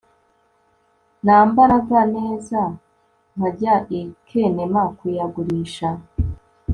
nambaraga neza nkajya i kenema kuyagurisha